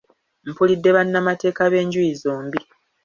Mpulidde bannamateeka b’enjuuyi zombi.